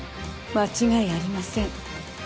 間違いありません。